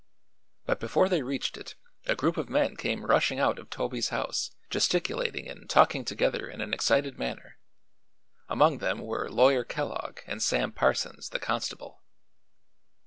But before they reached it a group of men came rushing out of Toby's house, gesticulating and talking together in an excited manner. Among them were Lawyer Kellogg and Sam Parsons, the constable.